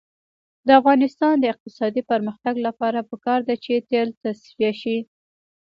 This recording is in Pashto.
د افغانستان د اقتصادي پرمختګ لپاره پکار ده چې تیل تصفیه شي.